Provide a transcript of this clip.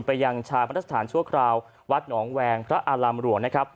ยังชาปนสถานชั่วคราววัดหนองแวงพระอารามหลวงนะครับ